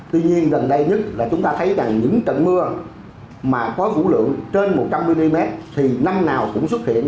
tuy nhiên gần đây nhất là chúng ta thấy rằng những trận mưa mà có phủ lượng trên một trăm linh mm thì năm nào cũng xuất hiện